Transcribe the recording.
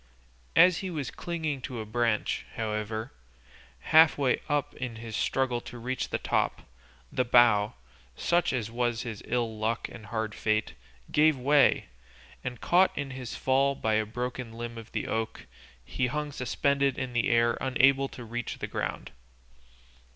As he was clinging to a branch, however, half way up in his struggle to reach the top, the bough, such was his ill luck and hard fate, gave way, and caught in his fall by a broken limb of the oak, he hung suspended in the air unable to reach the ground.